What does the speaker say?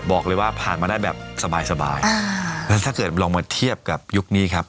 บอกเลยว่าผ่านมาได้แบบสบายสบายอ่างั้นถ้าเกิดลองมาเทียบกับยุคนี้ครับ